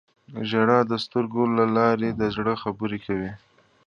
• ژړا د سترګو له لارې د زړه خبرې کوي.